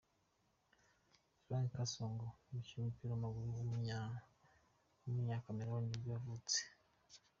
Franck Songo'o, umukinnyi w’umupira w’amaguru w’umunyakameruni nibwo yavutse.